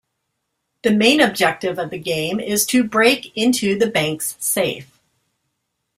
The main objective of the game is to break into the bank's safe.